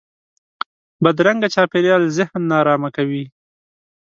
بدرنګه چاپېریال ذهن نارامه کوي